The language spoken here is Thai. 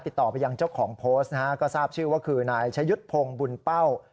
ติดต่อไปยังเจ้าของโพสต์นะฮะก็ทราบชื่อว่าคือนายชะยุทธ์พงศ์บุญเป้า